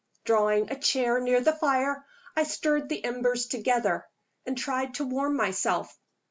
Drawing a chair near the fire, I stirred the embers together, and tried to warm myself.